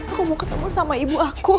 aku mau ketemu sama ibu aku